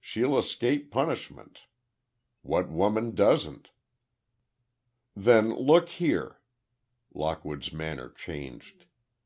She'll escape punishment—what woman doesn't?" "Then, look here," Lockwood's manner changed.